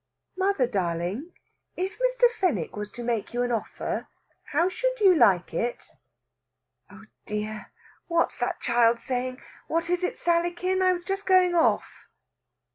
"Mother darling, if Mr. Fenwick was to make you an offer, how should you like it?" "Oh dear! What's the child saying? What is it, Sallykin? I was just going off."